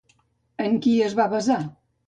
En qui es va basar?